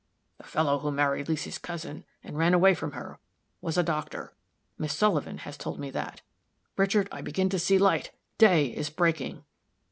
"The fellow who married Leesy's cousin, and ran away from her, was a doctor Miss Sullivan has told me that. Richard, I begin to see light! day is breaking!"